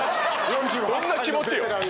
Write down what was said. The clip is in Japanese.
どんな気持ちよ